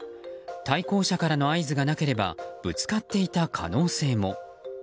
対向車からの合図がなければぶつかっていた可能性も。